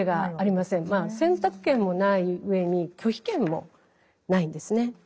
選択権もない上に拒否権もないんですね。